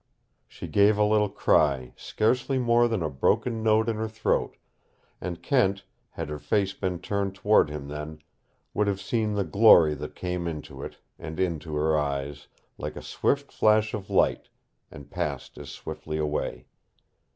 She gave a little cry, scarcely more than a broken note in her throat, and Kent had her face been turned toward him then would have seen the glory that came into it, and into her eyes, like a swift flash of light and passed as swiftly away.